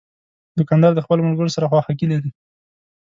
دوکاندار د خپلو ملګرو سره خواخوږي لري.